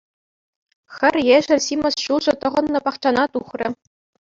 Хӗр ешӗл симӗс ҫулҫӑ тӑхӑннӑ пахчана тухрӗ.